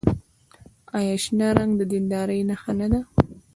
آیا شنه رنګ د دیندارۍ نښه نه ده؟